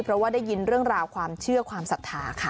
เพราะว่าได้ยินเรื่องราวความเชื่อความศรัทธาค่ะ